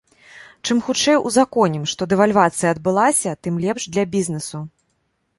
Чым хутчэй ўзаконім, што дэвальвацыя адбылася, тым лепш для бізнэсу.